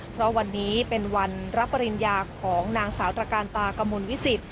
เพราะวันนี้เป็นวันรับปริญญาของนางสาวตระการตากมลวิสิต